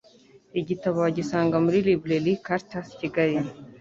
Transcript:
Igitabo wagisanga muri Librairie Caritas-Kigali